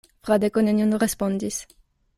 Fradeko nenion respondis.